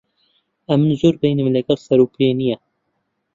ئەمن زۆر بەینم لەگەڵ سەر و پێ نییە.